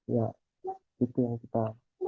ya itu yang kita